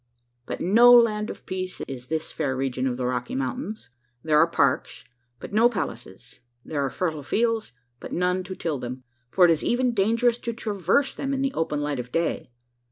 But no land of peace is this fair region of the Rocky Mountains. There are parks, but no palaces there are fertile fields, but none to till them for it is even dangerous to traverse them in the open light of day.